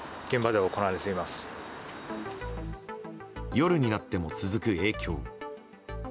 夜になっても続く影響。